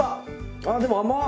あでも甘！